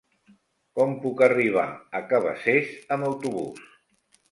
Com puc arribar a Cabacés amb autobús?